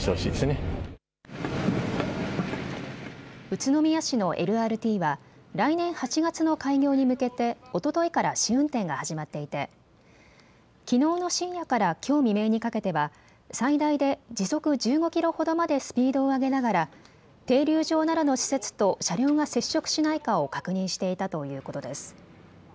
宇都宮市のＬＲＴは来年８月の開業に向けておとといから試運転が始まっていてきのうの深夜からきょう未明にかけては最大で時速１５キロほどまでスピードを上げながら停留場などの施設と車両が接触しないかを確認していたということです。